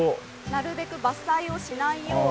なるべく伐採をしないように。